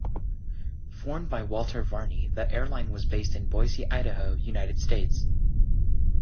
Formed by Walter Varney, the airline was based in Boise, Idaho, United States.